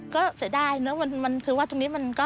ก็เสียดายเนอะมันคือว่าตรงนี้มันก็